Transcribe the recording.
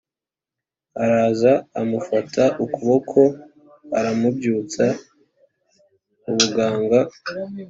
Araza Amufata Ukuboko Aramubyutsa Ubuganga